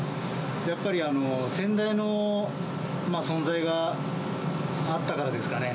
やっぱり先代の存在があったからですかね。